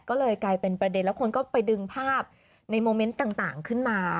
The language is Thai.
ก็เลยกลายเป็นประเด็นแล้วคนก็ไปดึงภาพในโมเมนต์ต่างขึ้นมา